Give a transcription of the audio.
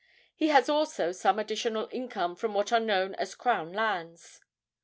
He has also some additional income from what are known as crown lands.